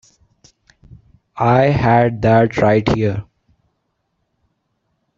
I had that right here.